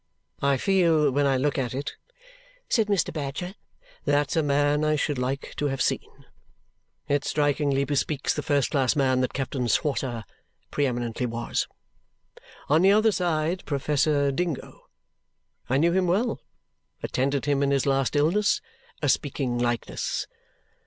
"I feel when I look at it," said Mr. Badger, "'That's a man I should like to have seen!' It strikingly bespeaks the first class man that Captain Swosser pre eminently was. On the other side, Professor Dingo. I knew him well attended him in his last illness a speaking likeness!